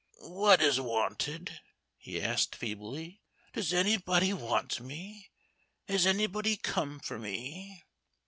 "What is wanted?" he asked, feebly; "does anybody want me? Has anybody come for me?"